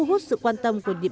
và sử dụng